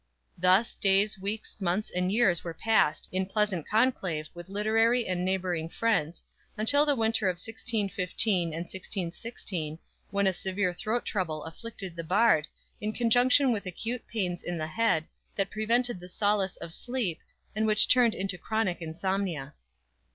Thus days, weeks, months and years were passed in pleasant conclave with literary and neighboring friends, until the winter of 1615 and 1616, when a severe throat trouble afflicted the Bard, in conjunction with acute pains in the head, that prevented the solace of sleep, and which turned into chronic insomnia.